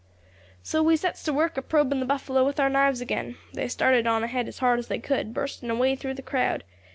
"So we sets to work a probing the buffalo with our knives again. They started on ahead as hard as they could, bursting a way through the crowd.